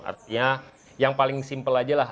artinya yang paling simpel aja lah